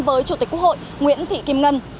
với chủ tịch quốc hội nguyễn thị kim ngân